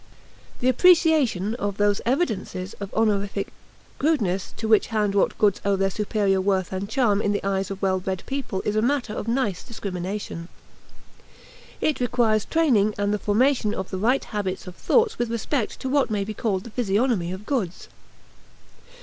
The appreciation of those evidences of honorific crudeness to which hand wrought goods owe their superior worth and charm in the eyes of well bred people is a matter of nice discrimination. It requires training and the formation of right habits of thought with respect to what may be called the physiognomy of goods.